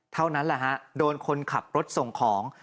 เท่านั้นแหละฮะโดนคนขับรถส่งของ